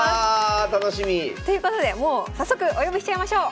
楽しみ。ということでもう早速お呼びしちゃいましょう！